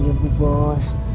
iya bu bos